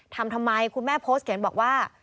ทำไมคุณแม่โพสต์เขียนบอกว่า